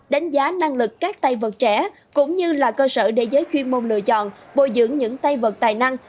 đánh giá năng lực các tay vật trẻ cũng như là cơ sở để giới chuyên môn lựa chọn bồi dưỡng những tay vật tài năng